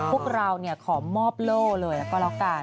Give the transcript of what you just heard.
พวกเราขอมอบโล่เลยแล้วก็แล้วกัน